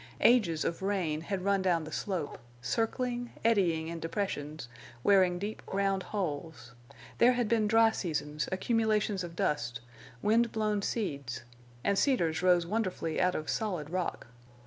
Ages of rain had run down the slope, circling, eddying in depressions, wearing deep round holes. There had been dry seasons, accumulations of dust, wind blown seeds, and cedars rose wonderfully out of solid rock.